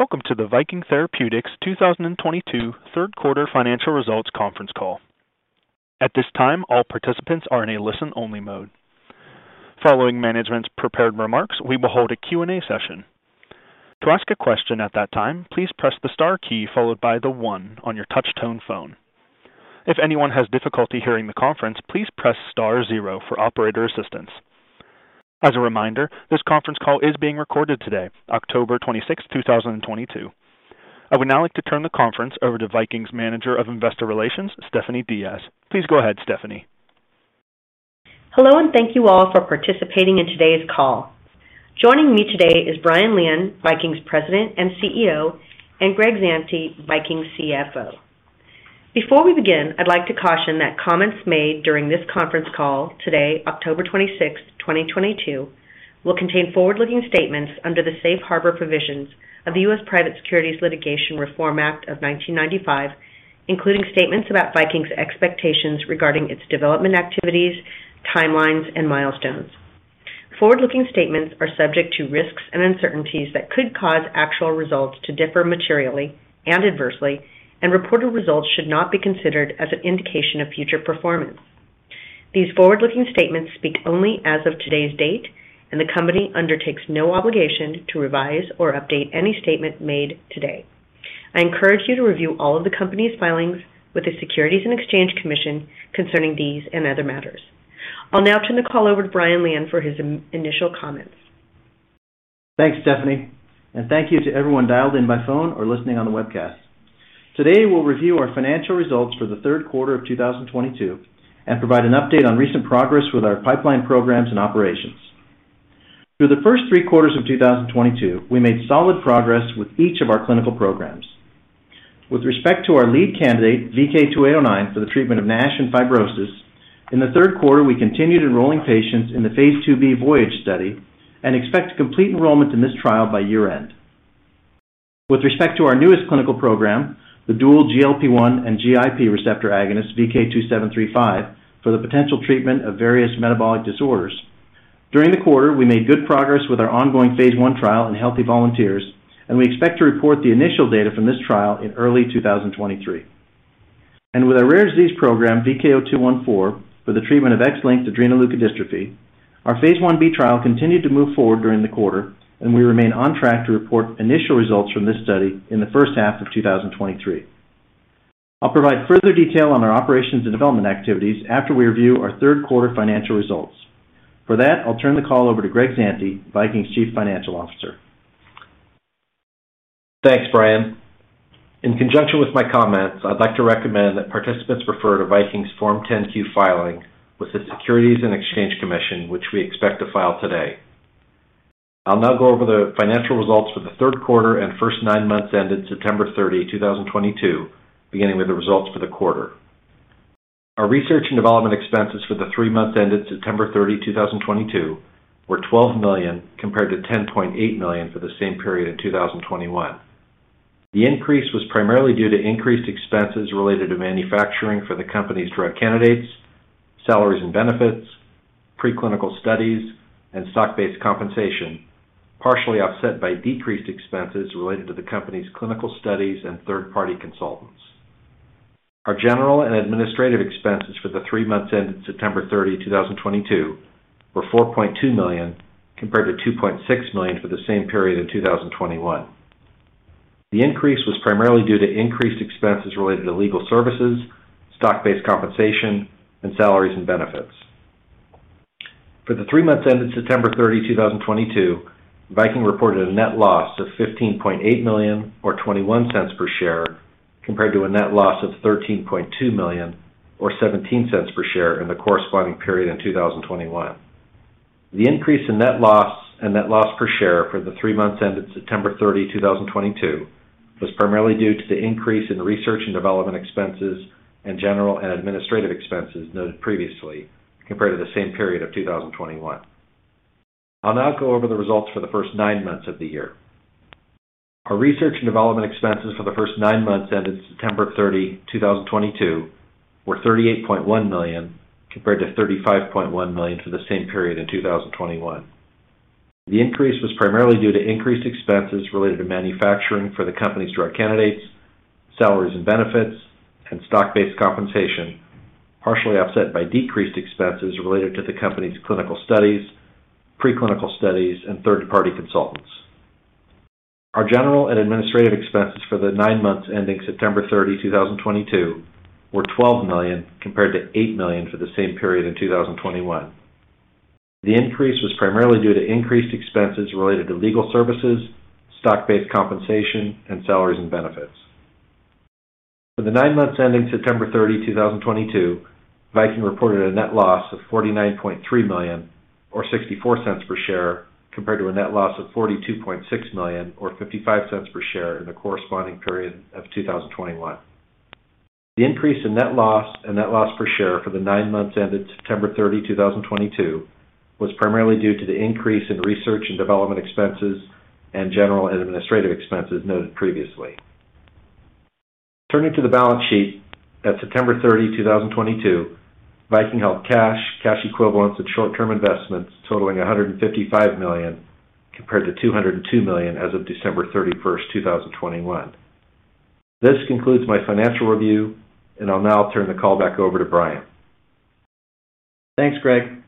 Welcome to the Viking Therapeutics 2022 Third Quarter Financial Results Conference Call. At this time, all participants are in a listen-only mode. Following management's prepared remarks, we will hold a Q&A session. To ask a question at that time, please press the star key followed by the one on your touch tone phone. If anyone has difficulty hearing the conference, please press star zero for operator assistance. As a reminder, this conference call is being recorded today, October 26, 2022. I would now like to turn the conference over to Viking's Manager of Investor Relations, Stephanie Diaz. Please go ahead, Stephanie. Hello and thank you all for participating in today's call. Joining me today is Brian Lian, Viking's President and CEO, and Greg Zante, Viking's CFO. Before we begin, I'd like to caution that comments made during this conference call today, October twenty-sixth, twenty twenty-two, will contain forward-looking statements under the safe harbor provisions of the U.S. Private Securities Litigation Reform Act of 1995, including statements about Viking's expectations regarding its development activities, timelines, and milestones. Forward-looking statements are subject to risks and uncertainties that could cause actual results to differ materially and adversely, and reported results should not be considered as an indication of future performance. These forward-looking statements speak only as of today's date, and the company undertakes no obligation to revise or update any statement made today. I encourage you to review all of the company's filings with the Securities and Exchange Commission concerning these and other matters. I'll now turn the call over to Brian Lian for his initial comments. Thanks, Stephanie, and thank you to everyone dialed in by phone or listening on the webcast. Today, we'll review our financial results for the third quarter of 2022 and provide an update on recent progress with our pipeline programs and operations. Through the first three quarters of 2022, we made solid progress with each of our clinical programs. With respect to our lead candidate, VK2809, for the treatment of NASH and fibrosis, in the third quarter, we continued enrolling patients in the Phase IIb VOYAGE study and expect to complete enrollment in this trial by year-end. With respect to our newest clinical program, the dual GLP-1 and GIP receptor agonist VK2735 for the potential treatment of various metabolic disorders, during the quarter, we made good progress with our ongoing phase II trial in healthy volunteers, and we expect to report the initial data from this trial in early 2023. With our rare disease program, VK0214, for the treatment of X-linked adrenoleukodystrophy, our phase Ib trial continued to move forward during the quarter, and we remain on track to report initial results from this study in the first half of 2023. I'll provide further detail on our operations and development activities after we review our third quarter financial results. For that, I'll turn the call over to Greg Zante, Viking's Chief Financial Officer. Thanks, Brian. In conjunction with my comments, I'd like to recommend that participants refer to Viking's Form 10-Q filing with the Securities and Exchange Commission, which we expect to file today. I'll now go over the financial results for the third quarter and first nine months ended September 30, 2022, beginning with the results for the quarter. Our research and development expenses for the three months ended September 30, 2022, were $12 million compared to $10.8 million for the same period in 2021. The increase was primarily due to increased expenses related to manufacturing for the company's drug candidates, salaries and benefits, preclinical studies, and stock-based compensation, partially offset by decreased expenses related to the company's clinical studies and third-party consultants. Our general and administrative expenses for the three months ended September 30, 2022, were $4.2 million, compared to $2.6 million for the same period in 2021. The increase was primarily due to increased expenses related to legal services, stock-based compensation, and salaries and benefits. For the three months ended September 30, 2022, Viking reported a net loss of $15.8 million, or $0.21 per share, compared to a net loss of $13.2 million, or $0.17 per share in the corresponding period in 2021. The increase in net loss and net loss per share for the three months ended September 30, 2022, was primarily due to the increase in research and development expenses and general and administrative expenses noted previously compared to the same period of 2021. I'll now go over the results for the first nine months of the year. Our research and development expenses for the first nine months ended September 30, 2022, were $38.1 million, compared to $35.1 million for the same period in 2021. The increase was primarily due to increased expenses related to manufacturing for the company's drug candidates, salaries and benefits, and stock-based compensation, partially offset by decreased expenses related to the company's clinical studies, preclinical studies, and third-party consultants. Our general and administrative expenses for the nine months ending September 30, 2022, were $12 million compared to $8 million for the same period in 2021. The increase was primarily due to increased expenses related to legal services, stock-based compensation, and salaries and benefits. For the nine months ending September 30, 2022, Viking reported a net loss of $49.3 million or $0.64 per share, compared to a net loss of $42.6 million or $0.55 per share in the corresponding period of 2021. The increase in net loss and net loss per share for the nine months ended September 30, 2022, was primarily due to the increase in research and development expenses and general and administrative expenses noted previously. Turning to the balance sheet at September 30, 2022, Viking held cash equivalents and short-term investments totaling $155 million compared to $202 million as of December 31, 2021. This concludes my financial review, and I'll now turn the call back over to Brian. Thanks, Greg.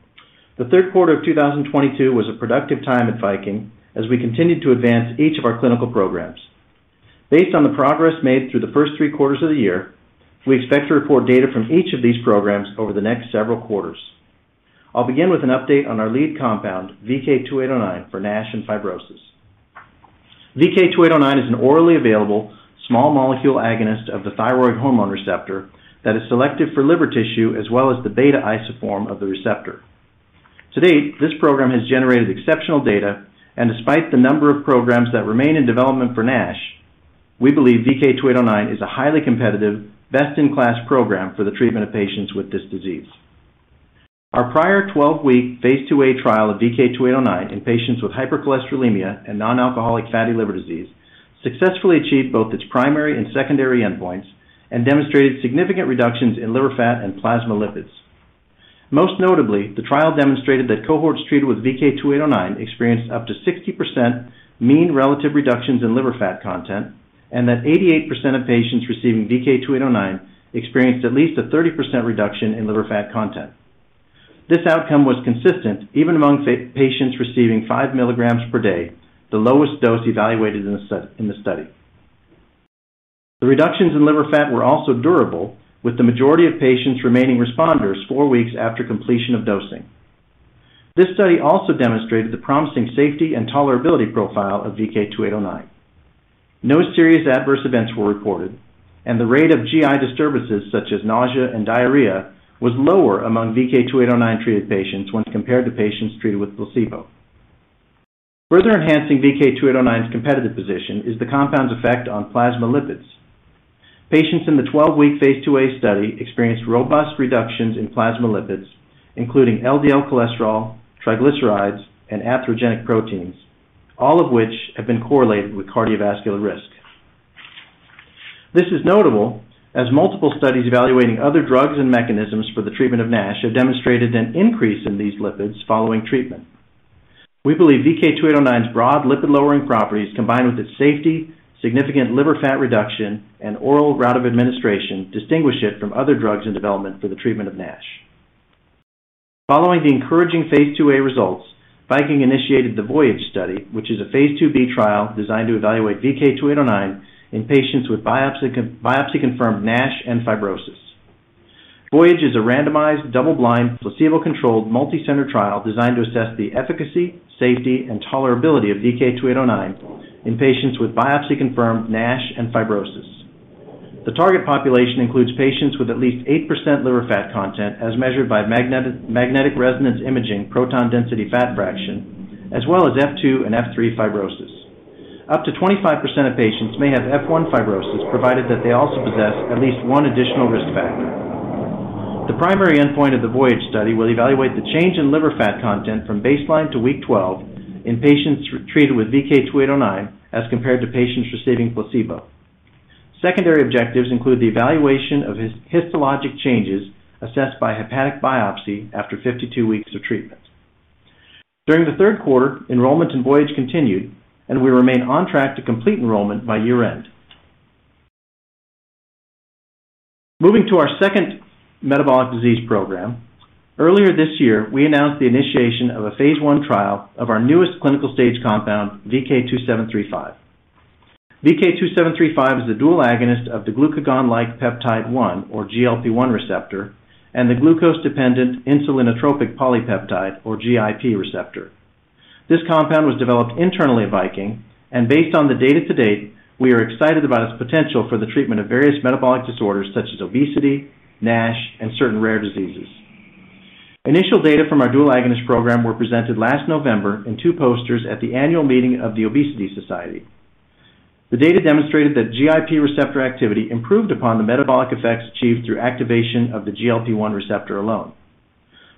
The third quarter of 2022 was a productive time at Viking as we continued to advance each of our clinical programs. Based on the progress made through the first three quarters of the year, we expect to report data from each of these programs over the next several quarters. I'll begin with an update on our lead compound, VK2809, for NASH and fibrosis. VK2809 is an orally available small molecule agonist of the thyroid hormone receptor that is selected for liver tissue as well as the beta isoform of the receptor. To date, this program has generated exceptional data, and despite the number of programs that remain in development for NASH, we believe VK2809 is a highly competitive, best-in-class program for the treatment of patients with this disease. Our prior 12-week phase IIa trial of VK2809 in patients with hypercholesterolemia and non-alcoholic fatty liver disease successfully achieved both its primary and secondary endpoints and demonstrated significant reductions in liver fat and plasma lipids. Most notably, the trial demonstrated that cohorts treated with VK2809 experienced up to 60% mean relative reductions in liver fat content and that 88% of patients receiving VK2809 experienced at least a 30% reduction in liver fat content. This outcome was consistent even among patients receiving 5 mg per day, the lowest dose evaluated in the study. The reductions in liver fat were also durable with the majority of patients remaining responders 4 weeks after completion of dosing. This study also demonstrated the promising safety and tolerability profile of VK2809. No serious adverse events were reported, and the rate of GI disturbances such as nausea and diarrhea was lower among VK2809-treated patients when compared to patients treated with placebo. Further enhancing VK2809's competitive position is the compound's effect on plasma lipids. Patients in the 12-week phase IIa study experienced robust reductions in plasma lipids, including LDL cholesterol, triglycerides, and atherogenic proteins, all of which have been correlated with cardiovascular risk. This is notable as multiple studies evaluating other drugs and mechanisms for the treatment of NASH have demonstrated an increase in these lipids following treatment. We believe VK2809's broad lipid-lowering properties, combined with its safety, significant liver fat reduction, and oral route of administration distinguish it from other drugs in development for the treatment of NASH. Following the encouraging phase IIa results, Viking initiated the VOYAGE study, which is a phase IIb trial designed to evaluate VK2809 in patients with biopsy-confirmed NASH and fibrosis. VOYAGE is a randomized, double-blind, placebo-controlled, multi-center trial designed to assess the efficacy, safety, and tolerability of VK2809 in patients with biopsy-confirmed NASH and fibrosis. The target population includes patients with at least 8% liver fat content as measured by magnetic resonance imaging proton density fat fraction, as well as F2 and F3 fibrosis. Up to 25% of patients may have F1 fibrosis, provided that they also possess at least one additional risk factor. The primary endpoint of the VOYAGE study will evaluate the change in liver fat content from baseline to week 12 in patients treated with VK2809 as compared to patients receiving placebo. Secondary objectives include the evaluation of histologic changes assessed by hepatic biopsy after 52 weeks of treatment. During the third quarter, enrollment in VOYAGE continued, and we remain on track to complete enrollment by year-end. Moving to our second metabolic disease program. Earlier this year, we announced the initiation of a phase I trial of our newest clinical stage compound, VK2735. VK2735 is a dual agonist of the glucagon-like peptide 1 or GLP-1 receptor and the glucose-dependent insulinotropic polypeptide or GIP receptor. This compound was developed internally at Viking and based on the data to date, we are excited about its potential for the treatment of various metabolic disorders such as obesity, NASH, and certain rare diseases. Initial data from our dual agonist program were presented last November in 2 posters at the annual meeting of the Obesity Society. The data demonstrated that GIP receptor activity improved upon the metabolic effects achieved through activation of the GLP-1 receptor alone.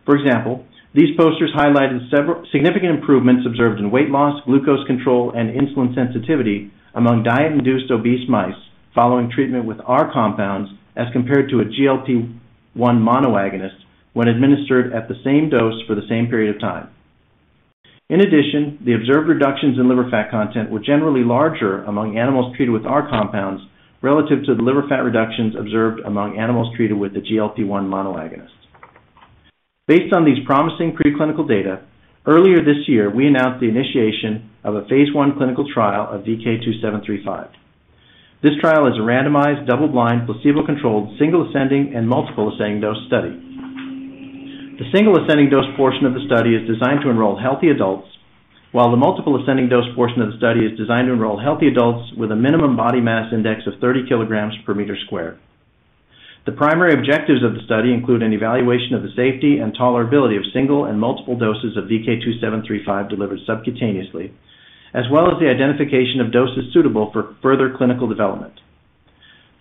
For example, these posters highlighted several significant improvements observed in weight loss, glucose control, and insulin sensitivity among diet-induced obese mice following treatment with our compounds as compared to a GLP-1 monoagonist when administered at the same dose for the same period of time. In addition, the observed reductions in liver fat content were generally larger among animals treated with our compounds relative to the liver fat reductions observed among animals treated with the GLP-1 monoagonist. Based on these promising preclinical data, earlier this year, we announced the initiation of a phase I clinical trial of VK2735. This trial is a randomized, double-blind, placebo-controlled, single ascending and multiple ascending dose study. The single ascending dose portion of the study is designed to enroll healthy adults, while the multiple ascending dose portion of the study is designed to enroll healthy adults with a minimum body mass index of 30 kilograms per meter squared. The primary objectives of the study include an evaluation of the safety and tolerability of single and multiple doses of VK2735 delivered subcutaneously, as well as the identification of doses suitable for further clinical development.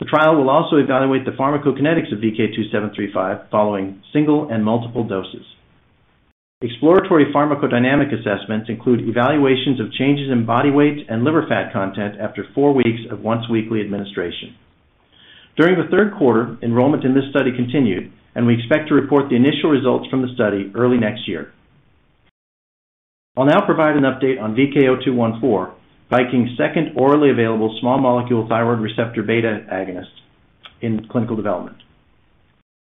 The trial will also evaluate the pharmacokinetics of VK2735 following single and multiple doses. Exploratory pharmacodynamic assessments include evaluations of changes in body weight and liver fat content after four weeks of once-weekly administration. During the third quarter, enrollment in this study continued, and we expect to report the initial results from the study early next year. I'll now provide an update on VK0214, Viking's second orally available small molecule thyroid receptor beta agonist in clinical development.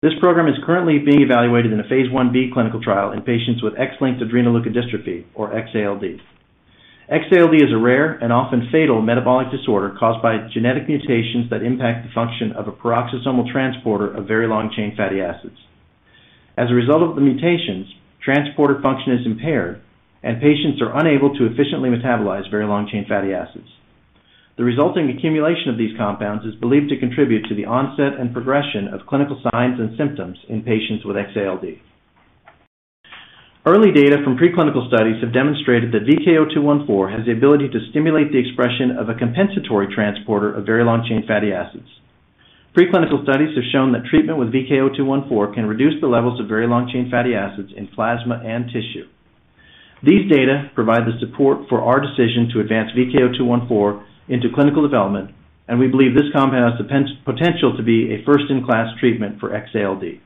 This program is currently being evaluated in a phase Ib clinical trial in patients with X-linked adrenoleukodystrophy, or XALD. XALD is a rare and often fatal metabolic disorder caused by genetic mutations that impact the function of a peroxisomal transporter of very long-chain fatty acids. As a result of the mutations, transporter function is impaired, and patients are unable to efficiently metabolize very long-chain fatty acids. The resulting accumulation of these compounds is believed to contribute to the onset and progression of clinical signs and symptoms in patients with XALD. Early data from preclinical studies have demonstrated that VK0214 has the ability to stimulate the expression of a compensatory transporter of very long-chain fatty acids. Preclinical studies have shown that treatment with VK0214 can reduce the levels of very long-chain fatty acids in plasma and tissue. These data provide the support for our decision to advance VK0214 into clinical development, and we believe this compound has the potential to be a first-in-class treatment for XALD.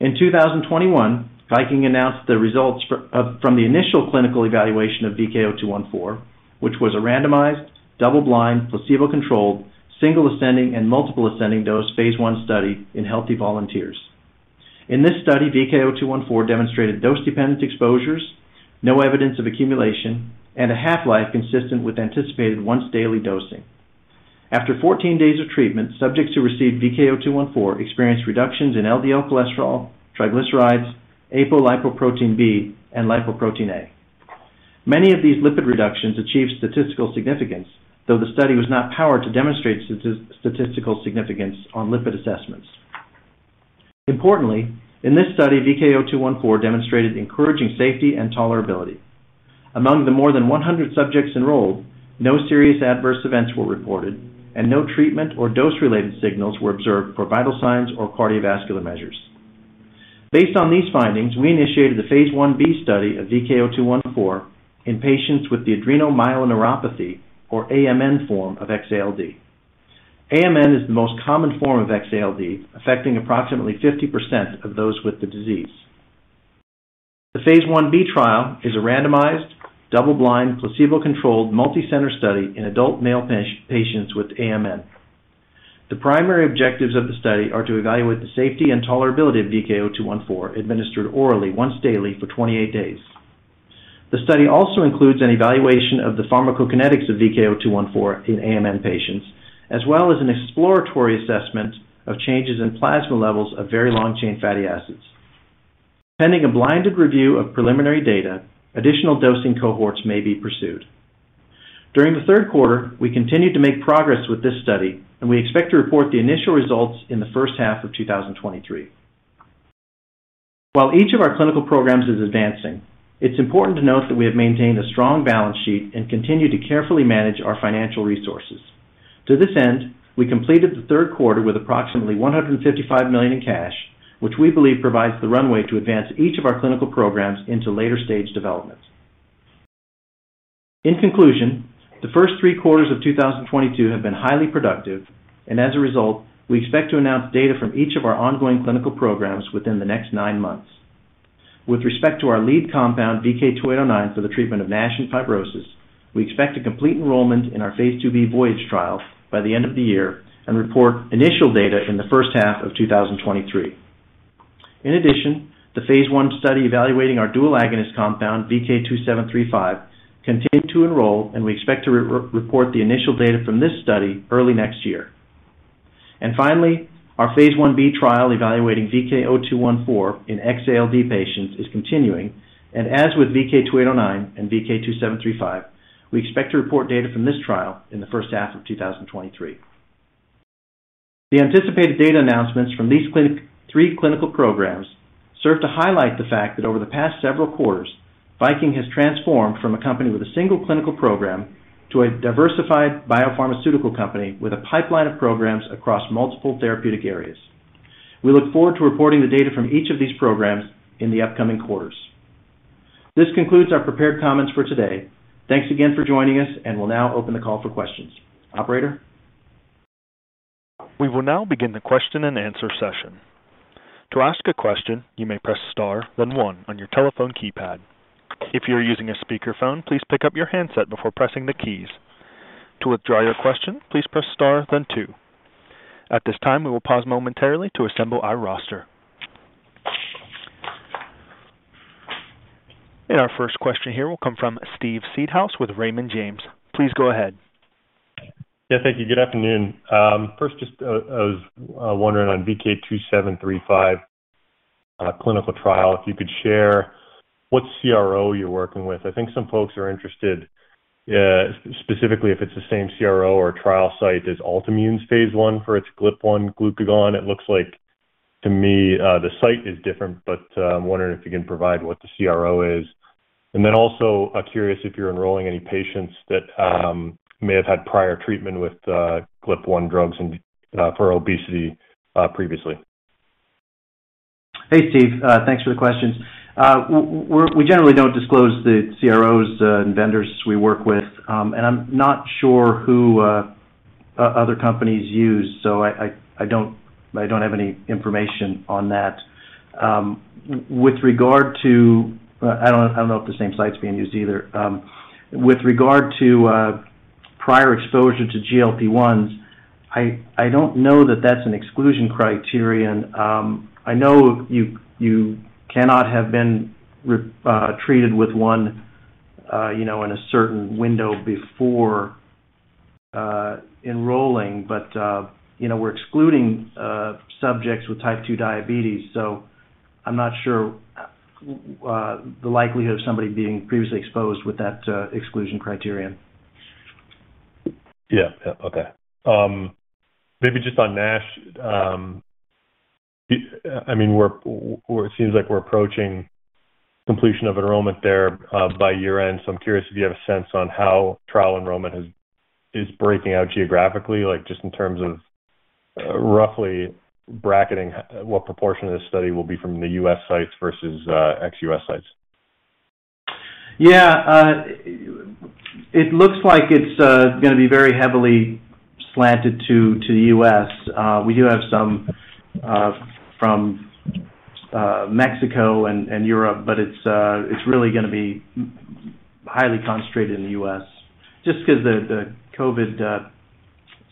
In 2021, Viking announced the results from the initial clinical evaluation of VK0214, which was a randomized, double-blind, placebo-controlled, single ascending and multiple ascending dose phase I study in healthy volunteers. In this study, VK0214 demonstrated dose-dependent exposures, no evidence of accumulation, and a half-life consistent with anticipated once-daily dosing. After 14 days of treatment, subjects who received VK0214 experienced reductions in LDL cholesterol, triglycerides, apolipoprotein B, and lipoprotein(a). Many of these lipid reductions achieved statistical significance, though the study was not powered to demonstrate statistical significance on lipid assessments. Importantly, in this study, VK0214 demonstrated encouraging safety and tolerability. Among the more than 100 subjects enrolled, no serious adverse events were reported, and no treatment or dose-related signals were observed for vital signs or cardiovascular measures. Based on these findings, we initiated the phase Ib study of VK0214 in patients with adrenomyeloneuropathy, or AMN form of XALD. AMN is the most common form of XALD, affecting approximately 50% of those with the disease. The phase Ib trial is a randomized, double-blind, placebo-controlled, multi-center study in adult male patients with AMN. The primary objectives of the study are to evaluate the safety and tolerability of VK0214 administered orally once daily for 28 days. The study also includes an evaluation of the pharmacokinetics of VK0214 in AMN patients, as well as an exploratory assessment of changes in plasma levels of very long-chain fatty acids. Pending a blinded review of preliminary data, additional dosing cohorts may be pursued. During the third quarter, we continued to make progress with this study, and we expect to report the initial results in the first half of 2023. While each of our clinical programs is advancing, it's important to note that we have maintained a strong balance sheet and continue to carefully manage our financial resources. To this end, we completed the third quarter with approximately $155 million in cash, which we believe provides the runway to advance each of our clinical programs into later stage development. In conclusion, the first three quarters of 2022 have been highly productive, and as a result, we expect to announce data from each of our ongoing clinical programs within the next nine months. With respect to our lead compound, VK2809, for the treatment of NASH and fibrosis, we expect to complete enrollment in our phase IIb VOYAGE trial by the end of the year and report initial data in the first half of 2023. In addition, the phase I study evaluating our dual agonist compound, VK2735, continued to enroll, and we expect to report the initial data from this study early next year. Finally, our phase Ib trial evaluating VK0214 in XALD patients is continuing. As with VK2809 and VK2735, we expect to report data from this trial in the first half of 2023. The anticipated data announcements from these three clinical programs serve to highlight the fact that over the past several quarters, Viking has transformed from a company with a single clinical program to a diversified biopharmaceutical company with a pipeline of programs across multiple therapeutic areas. We look forward to reporting the data from each of these programs in the upcoming quarters. This concludes our prepared comments for today. Thanks again for joining us, and we'll now open the call for questions. Operator? We will now begin the question and answer session. To ask a question, you may press star, then one on your telephone keypad. If you're using a speakerphone, please pick up your handset before pressing the keys. To withdraw your question, please press star, then two. At this time, we will pause momentarily to assemble our roster. Our first question here will come from Steve Seedhouse with Raymond James. Please go ahead. Yeah, thank you. Good afternoon. First, just, I was wondering on VK2735 clinical trial, if you could share what CRO you're working with. I think some folks are interested, specifically if it's the same CRO or trial site as Altimmune's phase I for its GLP-1 glucagon. It looks like to me, the site is different, but, I'm wondering if you can provide what the CRO is? I'm curious if you're enrolling any patients that may have had prior treatment with GLP-1 drugs and for obesity previously? Hey, Steve. Thanks for the questions. We generally don't disclose the CROs and vendors we work with. I'm not sure who other companies use, so I don't have any information on that. I don't know if the same site's being used either. With regard to prior exposure to GLP-1s, I don't know that that's an exclusion criterion. I know you cannot have been treated with one, you know, in a certain window before enrolling, but you know, we're excluding subjects with type 2 diabetes, so I'm not sure the likelihood of somebody being previously exposed with that exclusion criterion. Maybe just on NASH. I mean, seems like we're approaching completion of enrollment there by year-end, so I'm curious if you have a sense on how trial enrollment is breaking out geographically, like, just in terms of roughly bracketing what proportion of this study will be from the U.S. sites versus ex-U.S. sites. Yeah. It looks like it's gonna be very heavily slanted to the U.S. We do have some from Mexico and Europe, but it's really gonna be highly concentrated in the U.S., just 'cause the COVID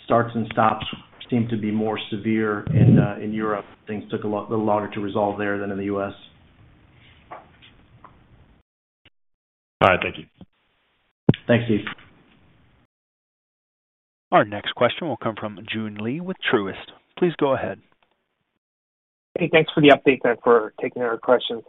starts and stops seem to be more severe in Europe. Things took a lot longer to resolve there than in the U.S. All right. Thank you. Thanks, Steve. Our next question will come from Joon Lee with Truist. Please go ahead. Hey, thanks for the update and for taking our questions.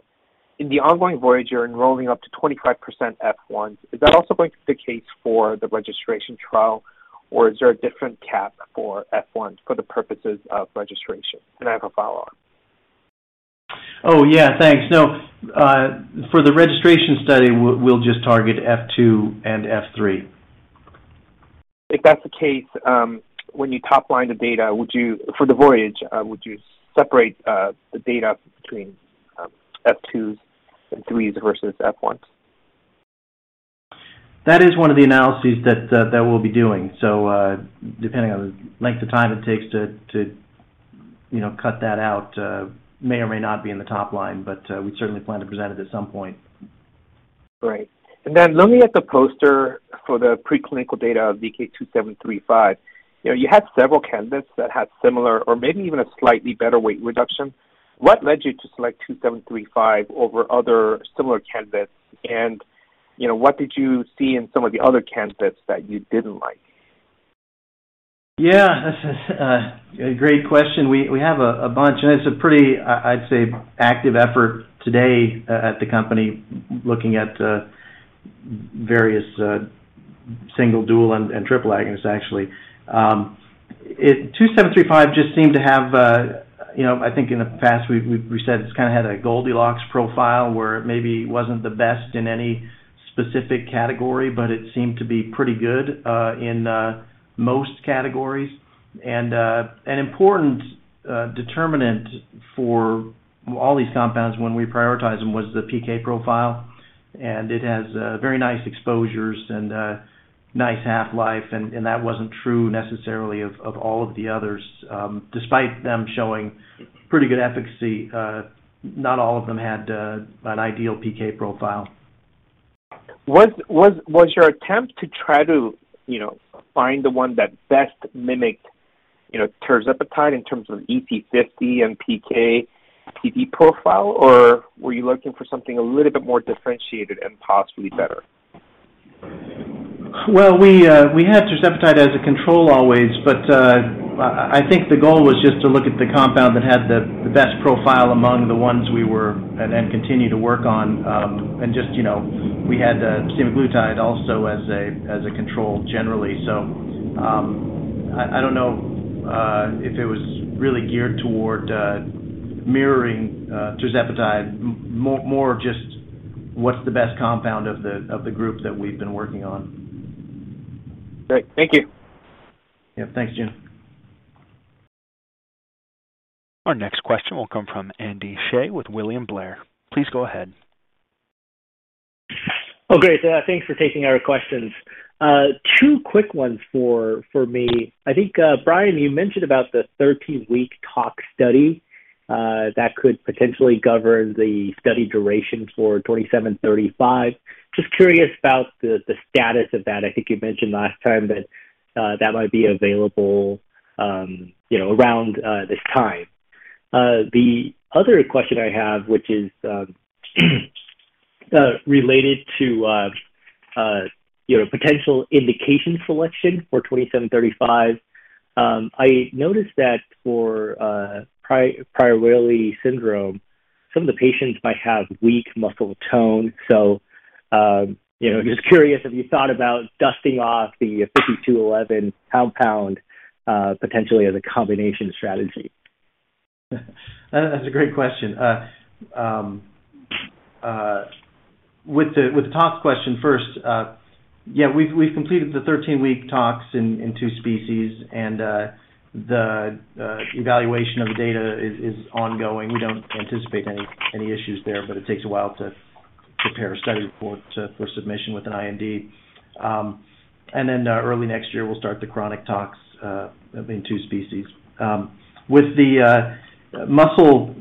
In the ongoing VOYAGE, you're enrolling up to 25% FIs. Is that also going to be the case for the registration trial, or is there a different cap for FIs for the purposes of registration? I have a follow-on. Oh, yeah. Thanks. No, for the registration study, we'll just target phase II and phase III. If that's the case, when you top-line the data for the VOYAGE, would you separate the data between F2s and F3s versus F1s? That is one of the analyses that we'll be doing. Depending on the length of time it takes to you know cut that out, may or may not be in the top line, but we certainly plan to present it at some point. Great. Looking at the poster for the preclinical data of VK2735, you know, you had several candidates that had similar or maybe even a slightly better weight reduction. What led you to select 2735 over other similar candidates? You know, what did you see in some of the other candidates that you didn't like? Yeah. That's a great question. We have a bunch, and it's a pretty, I'd say, active effort today at the company looking at various single, dual, and triple agonists, actually. VK2735 just seemed to have, you know. I think in the past we said it's kinda had a Goldilocks profile, where it maybe wasn't the best in any specific category, but it seemed to be pretty good in most categories. An important determinant for all these compounds when we prioritize them was the PK profile. It has very nice exposures and a nice half-life, and that wasn't true necessarily of all of the others. Despite them showing pretty good efficacy, not all of them had an ideal PK profile. Was your attempt to try to, you know, find the one that best mimicked, you know, tirzepatide in terms of EC50 and PK/PD profile, or were you looking for something a little bit more differentiated and possibly better? We had tirzepatide as a control always, but I think the goal was just to look at the compound that had the best profile among the ones we were and then continue to work on. Just you know, we had semaglutide also as a control generally. I don't know if it was really geared toward mirroring tirzepatide. More just what's the best compound of the group that we've been working on. Great. Thank you. Yep. Thanks, Joon. Our next question will come from Andy Hsieh with William Blair. Please go ahead. Oh, great. Thanks for taking our questions. Two quick ones for me. I think, Brian, you mentioned about the 13-week tox study that could potentially govern the study duration for VK2735. Just curious about the status of that. I think you mentioned last time that that might be available, you know, around this time. The other question I have, which is related to, you know, potential indication selection for VK2735. I noticed that for Prader-Willi syndrome, some of the patients might have weak muscle tone. So, you know, just curious if you thought about dusting off the VK5211, potentially as a combination strategy. That's a great question. With the tox question first, yeah, we've completed the 13-week tox in two species and the evaluation of the data is ongoing. We don't anticipate any issues there, but it takes a while to prepare a study report for submission with an IND. Early next year, we'll start the chronic tox in two species. With the muscle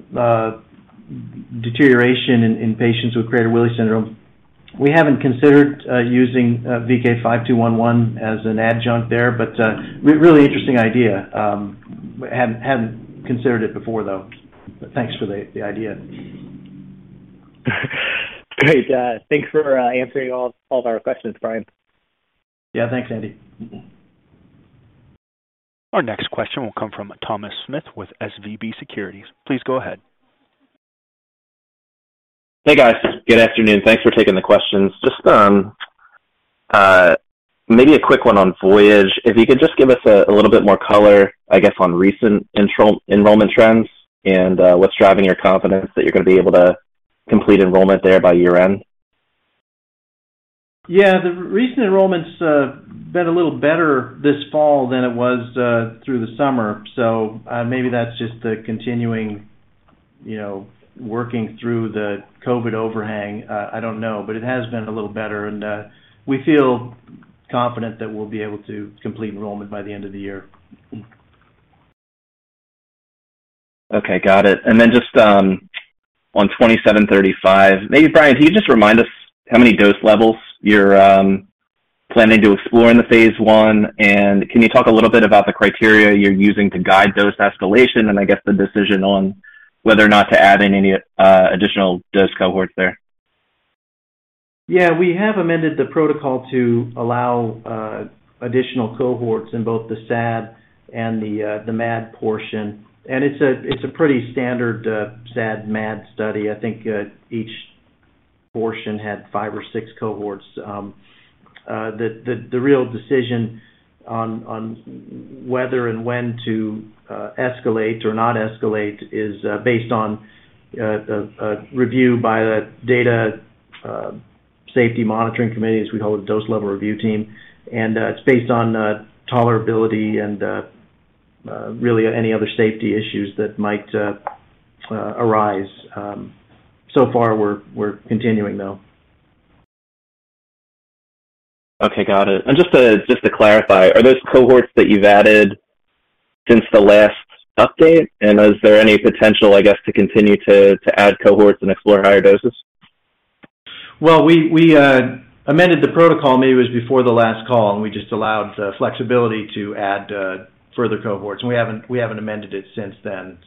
deterioration in patients with Prader-Willi syndrome, we haven't considered using VK5211 as an adjunct there, but really interesting idea. Hadn't considered it before though. Thanks for the idea. Great. Thanks for answering all of our questions, Brian. Yeah. Thanks, Andy. Our next question will come from Thomas Smith with SVB Securities. Please go ahead. Hey, guys. Good afternoon. Thanks for taking the questions. Just maybe a quick one on VOYAGE. If you could just give us a little bit more color, I guess, on recent enrollment trends and what's driving your confidence that you're gonna be able to complete enrollment there by year-end. Yeah. The recent enrollment's been a little better this fall than it was through the summer, so maybe that's just the continuing, you know, working through the COVID overhang. I don't know. But it has been a little better, and we feel confident that we'll be able to complete enrollment by the end of the year. Okay. Got it. Then just on VK2735, maybe, Brian, can you just remind us how many dose levels you're planning to explore in the phase I? Can you talk a little bit about the criteria you're using to guide dose escalation and I guess the decision on whether or not to add in any additional dose cohorts there? Yeah. We have amended the protocol to allow additional cohorts in both the SAD and the MAD portion. It's a pretty standard SAD, MAD study. I think each portion had five or six cohorts. The real decision on whether and when to escalate or not escalate is based on a review by the data safety monitoring committee, as we call it, dose level review team. It's based on tolerability and really any other safety issues that might arise. So far we're continuing, though. Okay. Got it. Just to clarify, are those cohorts that you've added since the last update? Is there any potential, I guess, to continue to add cohorts and explore higher doses? Well, we amended the protocol, maybe it was before the last call, and we just allowed flexibility to add further cohorts. We haven't amended it since then.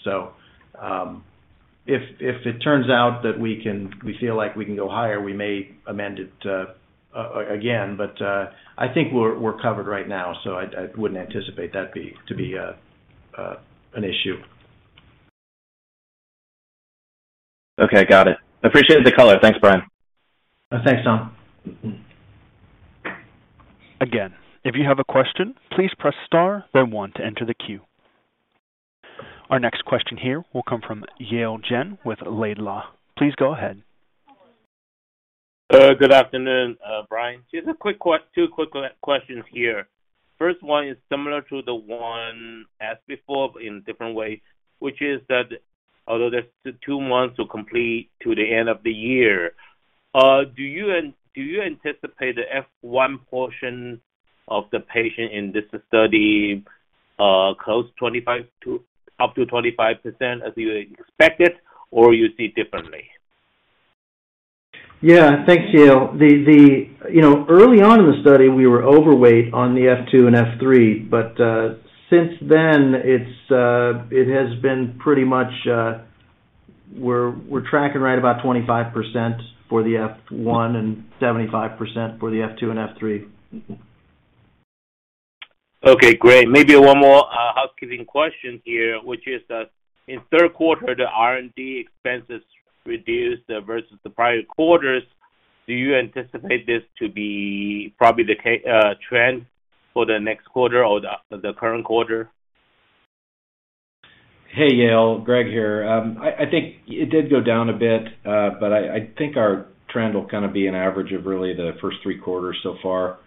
If it turns out we feel like we can go higher, we may amend it again, but I think we're covered right now, so I wouldn't anticipate that to be an issue. Okay. Got it. Appreciated the color. Thanks, Brian. Thanks, Tom. Again, if you have a question, please press star then one to enter the queue. Our next question here will come from Yale Jen with Laidlaw. Please go ahead. Good afternoon, Brian. Just two quick questions here. First one is similar to the one asked before, but in different ways, which is that although there's two months to complete to the end of the year, do you anticipate the final portion of the patients in this study to close 25 to up to 25% as you expected or you see differently? Thanks, Yale. You know, early on in the study, we were overweight on the F2 and F3, but since then it has been pretty much, we're tracking right about 25% for the F1 and 75% for the F2 and F3. Okay, great. Maybe one more housekeeping question here, which is that in third quarter, the R&D expenses reduced versus the prior quarters. Do you anticipate this to be probably the trend for the next quarter or the current quarter? Hey, Yale. Greg here. I think it did go down a bit, but I think our trend will kinda be an average of really the first three quarters so far.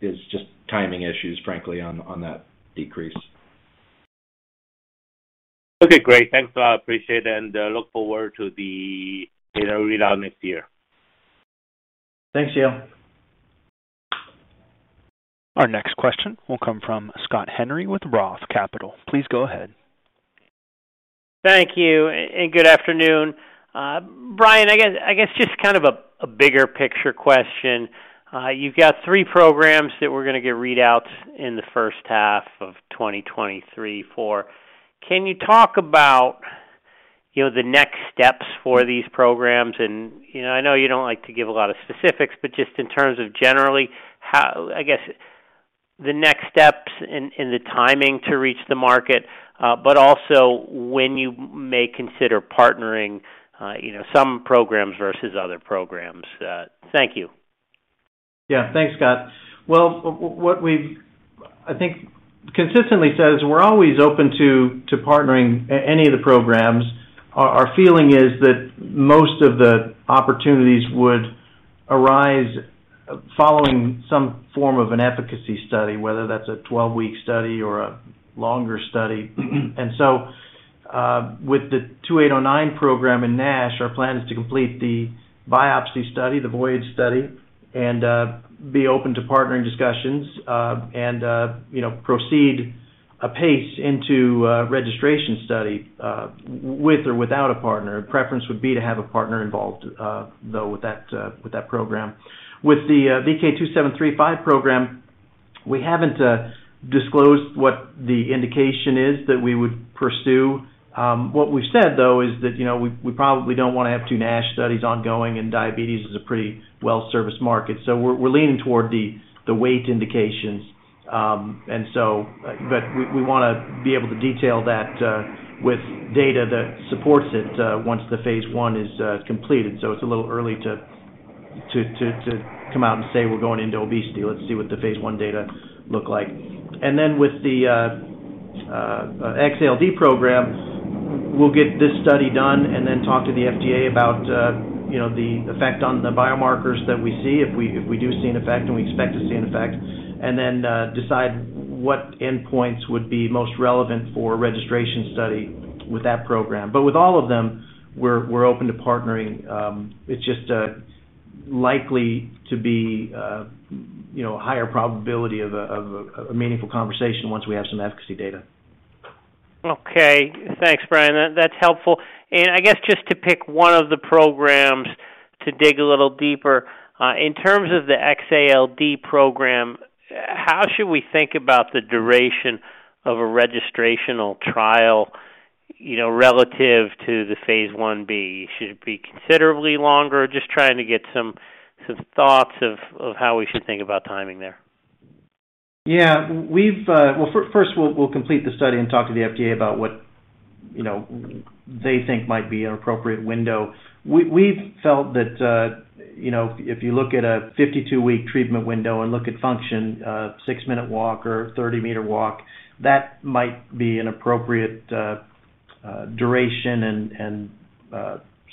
It's just timing issues, frankly, on that decrease. Okay, great. Thanks a lot. Appreciate and, look forward to the data readout next year. Thanks, Yale. Our next question will come from Scott Henry with Roth Capital. Please go ahead. Thank you and good afternoon. Brian, I guess just kind of a bigger picture question. You've got three programs that we're gonna get readouts in the first half of 2023 for. Can you talk about, you know, the next steps for these programs? I know you don't like to give a lot of specifics, but just in terms of generally how I guess the next steps and the timing to reach the market, but also when you may consider partnering, you know, some programs versus other programs. Thank you. Yeah. Thanks, Scott. Well, what we've I think consistently said is we're always open to partnering any of the programs. Our feeling is that most of the opportunities would arise following some form of an efficacy study, whether that's a 12-week study or a longer study. With the VK2809 program in NASH, our plan is to complete the biopsy study, the VOYAGE study, and be open to partnering discussions, and you know, proceed apace into a registration study, with or without a partner. Preference would be to have a partner involved, though with that program. With the VK2735 program, we haven't disclosed what the indication is that we would pursue. What we've said, though, is that, you know, we probably don't wanna have two NASH studies ongoing, and diabetes is a pretty well-serviced market. We're leaning toward the weight indications. We wanna be able to detail that with data that supports it once the phase I is completed. It's a little early to come out and say we're going into obesity. Let's see what the phase I data look like. With the XALD program, we'll get this study done and then talk to the FDA about, you know, the effect on the biomarkers that we see if we do see an effect, and we expect to see an effect, and then decide what endpoints would be most relevant for a registration study with that program. With all of them, we're open to partnering. It's just likely to be, you know, a higher probability of a meaningful conversation once we have some efficacy data. Okay. Thanks, Brian. That's helpful. I guess just to pick one of the programs to dig a little deeper, in terms of the XALD program, how should we think about the duration of a registrational trial, you know, relative to the phase Ib? Should it be considerably longer? Just trying to get some thoughts of how we should think about timing there. Yeah. Well, first we'll complete the study and talk to the FDA about what, you know, they think might be an appropriate window. We've felt that, you know, if you look at a 52-week treatment window and look at function, six-minute walk or 30-meter walk, that might be an appropriate duration and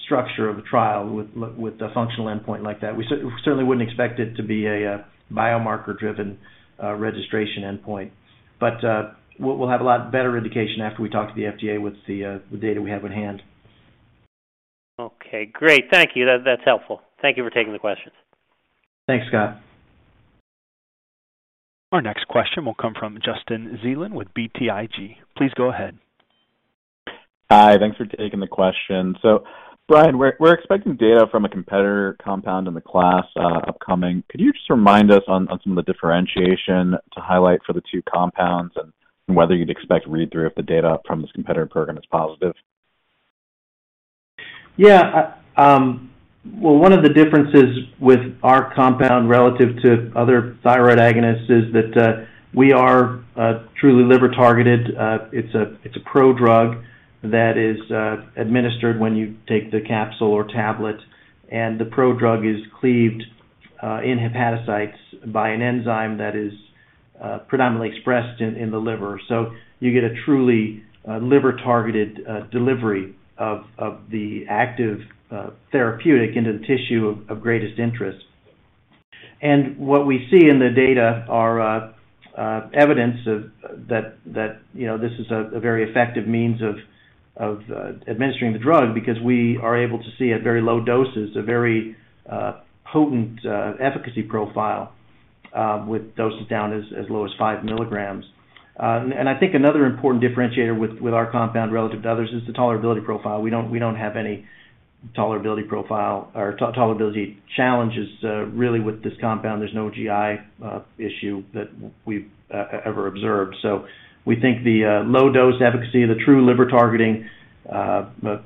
structure of a trial with a functional endpoint like that. We certainly wouldn't expect it to be a biomarker-driven registration endpoint. We'll have a lot better indication after we talk to the FDA with the data we have on hand. Okay, great. Thank you. That's helpful. Thank you for taking the questions. Thanks, Scott. Our next question will come from Justin Zelin with BTIG. Please go ahead. Hi. Thanks for taking the question. Brian, we're expecting data from a competitor compound in the class, upcoming. Could you just remind us on some of the differentiation to highlight for the two compounds and whether you'd expect read-through if the data from this competitor program is positive? Yeah. Well, one of the differences with our compound relative to other thyroid agonists is that we are truly liver-targeted. It's a prodrug that is administered when you take the capsule or tablet, and the prodrug is cleaved in hepatocytes by an enzyme that is predominantly expressed in the liver. So you get a truly liver-targeted delivery of the active therapeutic into the tissue of greatest interest. What we see in the data are evidence of that you know this is a very effective means of administering the drug because we are able to see at very low doses a very potent efficacy profile with doses down as low as five milligrams. I think another important differentiator with our compound relative to others is the tolerability profile. We don't have any tolerability profile or tolerability challenges really with this compound. There's no GI issue that we've ever observed. We think the low dose efficacy, the true liver targeting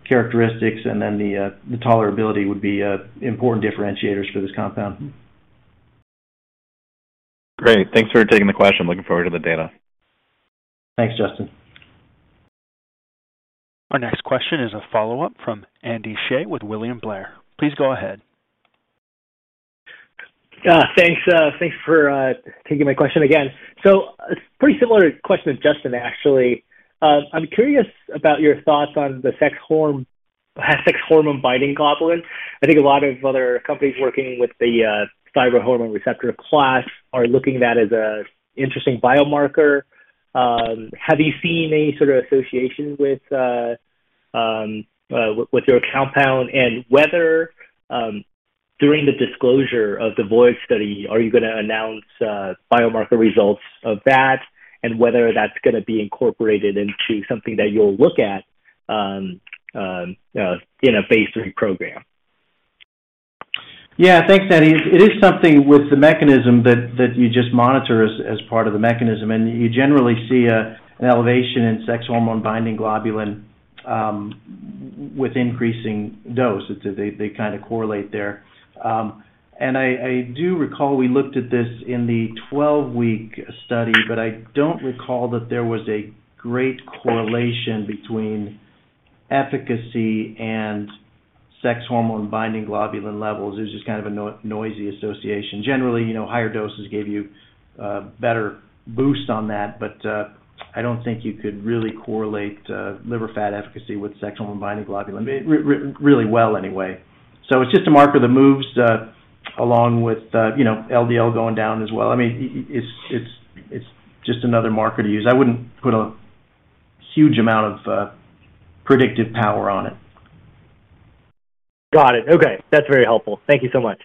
characteristics, and then the tolerability would be important differentiators for this compound. Great. Thanks for taking the question. Looking forward to the data. Thanks, Justin. Our next question is a follow-up from Andy Hsieh with William Blair. Please go ahead. Thanks for taking my question again. It's pretty similar question to Justin, actually. I'm curious about your thoughts on the sex hormone-binding globulin. I think a lot of other companies working with the thyroid hormone receptor class are looking at that as a interesting biomarker. Have you seen any sort of association with your compound and whether, during the disclosure of the VOYAGE study, are you gonna announce biomarker results of that and whether that's gonna be incorporated into something that you'll look at in a phase III program? Yeah. Thanks, Andy. It is something with the mechanism that you just monitor as part of the mechanism, and you generally see an elevation in sex hormone-binding globulin with increasing dose. It's they kinda correlate there. I do recall we looked at this in the 12-week study, but I don't recall that there was a great correlation between efficacy and sex hormone-binding globulin levels. It's just kind of a noisy association. Generally, you know, higher doses gave you better boost on that. But I don't think you could really correlate liver fat efficacy with sex hormone-binding globulin. I mean, really well anyway. It's just a marker that moves along with you know, LDL going down as well. I mean, it's just another marker to use. I wouldn't put a huge amount of predictive power on it. Got it. Okay, that's very helpful. Thank you so much.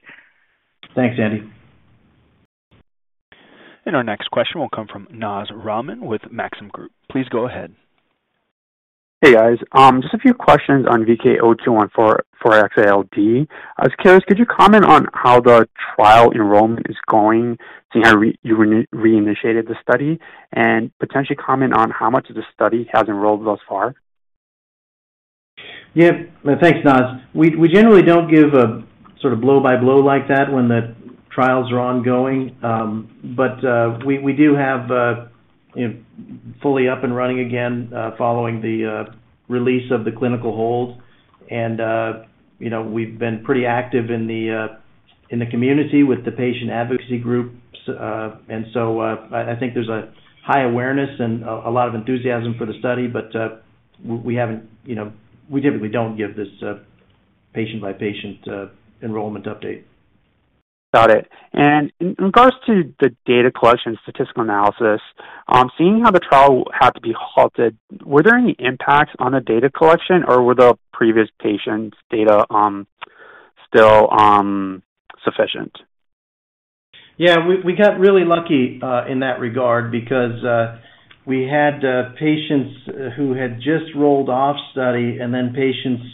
Thanks, Andy. Our next question will come from Naz Rahman with Maxim Group. Please go ahead. Hey, guys. Just a few questions on VK0214 for XALD. I was curious, could you comment on how the trial enrollment is going, seeing how you reinitiated the study? Potentially comment on how much of the study has enrolled thus far? Yeah. Thanks, Naz. We generally don't give a sort of blow by blow like that when the trials are ongoing. We do have fully up and running again following the release of the clinical hold. You know, we've been pretty active in the community with the patient advocacy groups. I think there's a high awareness and a lot of enthusiasm for the study. We haven't, you know, we typically don't give this patient by patient enrollment update. Got it. In regards to the data collection statistical analysis, seeing how the trial had to be halted, were there any impacts on the data collection or were the previous patients' data, still, sufficient? Yeah. We got really lucky in that regard because we had patients who had just rolled off study and then patients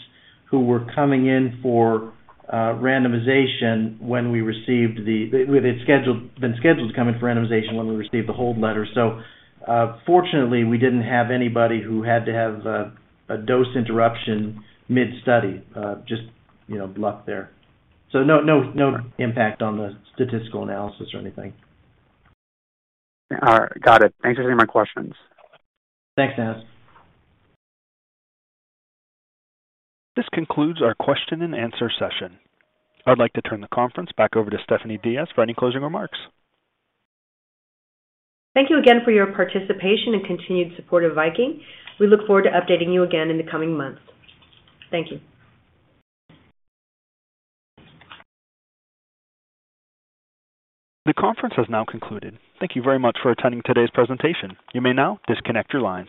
who were coming in for randomization when we received the hold letter. We had been scheduled to come in for randomization when we received the hold letter. Fortunately, we didn't have anybody who had to have a dose interruption mid-study. Just, you know, luck there. No impact on the statistical analysis or anything. All right. Got it. Thanks for taking my questions. Thanks, Naz. This concludes our question and answer session. I'd like to turn the conference back over to Stephanie Diaz for any closing remarks. Thank you again for your participation and continued support of Viking. We look forward to updating you again in the coming months. Thank you. The conference has now concluded. Thank you very much for attending today's presentation. You may now disconnect your lines.